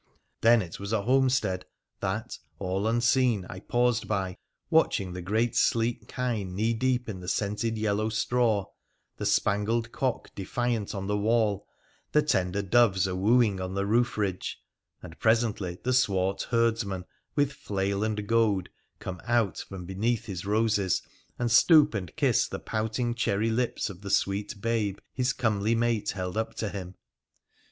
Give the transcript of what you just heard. ' Then it was a homestead that, all unseen, I paused by, watching the great sleek kine knee deep in the scented yellow straw, the spangled cock defiant on the wall, the tender doves a wooing on the roof ridge, and presently the swart herdsman, with flail and goad, come out from beneath his roses and stoop and kiss the pouting cherry lips of the sweet babe his comely mate held up to him.